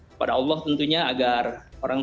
kepada allah tentunya agar orang